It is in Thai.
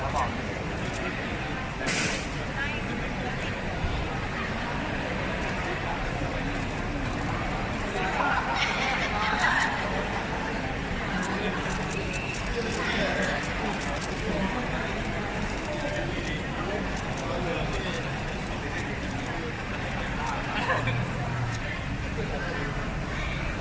ประชาธิพิวเผอร์แข่งสี้